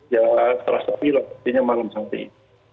ya setelah sepi lah maksudnya malam sampai itu